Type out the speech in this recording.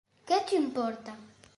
Que che importa?